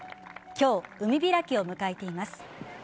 今日、海開きを迎えています。